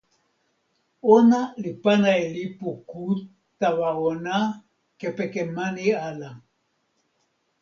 ona li pana e lipu ku tawa ona kepeken mani ala.